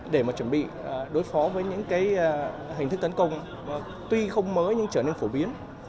để mà chuẩn bị đối phó với những hình thức tấn công tuy không mới nhưng trở nên phổ biến